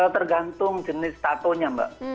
tergantung jenis tato nya mbak